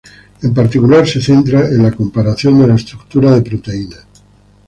En particular, se centra en la comparación de la estructura de proteínas.